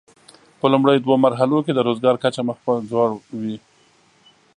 په لومړیو دوو مرحلو کې د روزګار کچه مخ پر ځوړ وي.